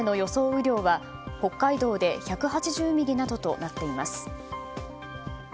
雨量は北海道で１８０ミリなどとなっています。